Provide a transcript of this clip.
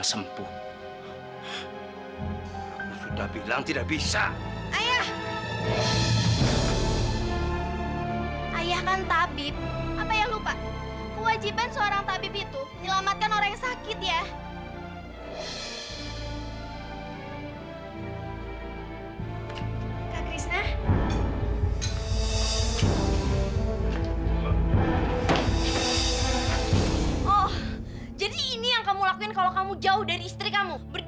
sampai jumpa di video selanjutnya